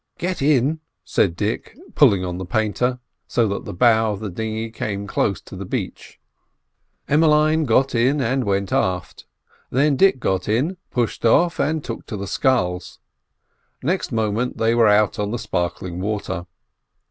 "Get in," said Dick, pulling on the painter so that the bow of the dinghy came close to the beach. Emmeline got carefully in, and went aft. Then Dick got in, pushed off, and took to the sculls. Next moment they were out on the sparkling water.